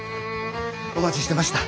お待ちしてました。